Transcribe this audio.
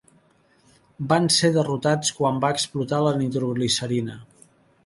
Van ser derrotats quan va explotar la nitroglicerina.